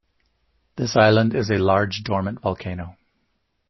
This island is a large dormant volcano.